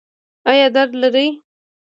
ایا درد لرئ؟